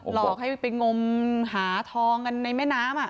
หลอกให้ไปงมหาทองกันในแม่น้ำ